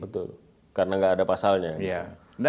betul betul karena gak ada pasalnya